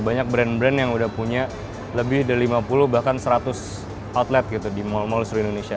banyak brand brand yang udah punya lebih dari lima puluh bahkan seratus outlet gitu di mal mall seluruh indonesia